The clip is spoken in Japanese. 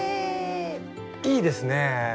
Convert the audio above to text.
いいですね！